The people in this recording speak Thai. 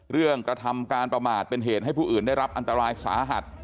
กระทำการประมาทเป็นเหตุให้ผู้อื่นได้รับอันตรายสาหัส